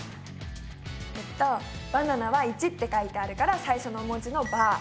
えっとバナナは①って書いてあるから最初の文字の「バ」。